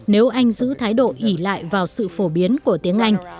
nếu anh giữ thái độ ỉ lại vào sự phổ biến của tiếng anh